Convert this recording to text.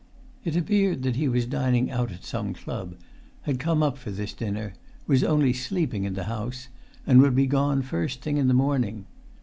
It appeared that he was dining out at some club, had come up for this dinner, was only sleeping in the house, and would be gone first thing in the morning.